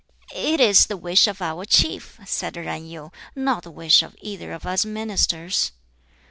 "It is the wish of our Chief," said Yen Yu, "not the wish of either of us ministers."